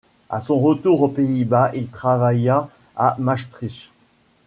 À son retour aux Pays-Bas, il travailla à Maastricht.